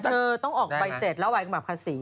แต่เธอต้องออกไปเสร็จแล้วไว้กับภาษี